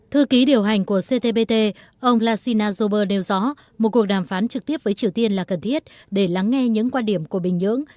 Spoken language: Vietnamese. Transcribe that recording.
thư ký điều hành của ctbt ông lasina zober nêu rõ một cuộc đàm phán trực tiếp với triều tiên là cần thiết để lắng nghe những quan điểm của bình nhưỡng